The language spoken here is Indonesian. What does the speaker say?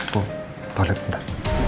tuh toilet bentar